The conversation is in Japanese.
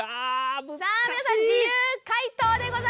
さあ皆さん自由解答でございます。